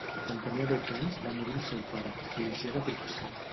Quan tenia dotze anys va morir el seu pare, policia de professió.